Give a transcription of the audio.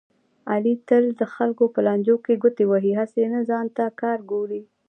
علي تل د خلکو په لانجو کې ګوتې وهي، هسې ځان ته کار ګوري.